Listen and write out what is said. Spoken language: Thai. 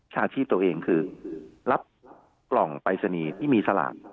ชาชีพตัวเองคือรับกล่องปรายศนีย์ที่มีสลาก